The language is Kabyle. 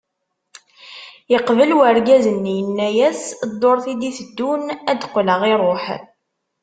Yeqbel urgaz-nni, yenna-as, ddurt i d-iteddun ad d-qqleɣ, iruḥ.